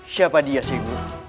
siapa dia syekh guri